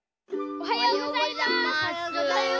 おはようございます！